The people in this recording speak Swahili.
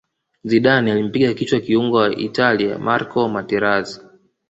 zidane alimpiga kichwa kiungo wa italia marco materazi